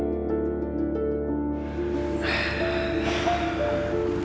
sampai jumpa di video selanjutnya